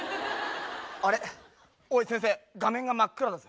あれおい先生画面が真っ暗だぜ。